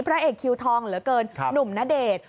พระเอกคิวทองเหลือเกินหนุ่มณเดชน์